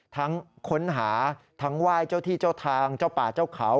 ค้นหาทั้งไหว้เจ้าที่เจ้าทางเจ้าป่าเจ้าเขา